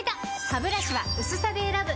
ハブラシは薄さで選ぶ！